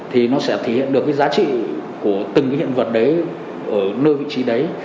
thì nó sẽ thể hiện được giá trị của từng hình vật đấy ở nơi vị trí đấy